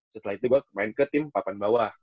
setelah itu gue main ke tim papan bawah